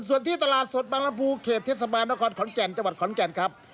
ส่วนที่ตลาดสดบางลำพูเขตเทศบาลนครขอนแก่นจังหวัดขอนแก่นครับ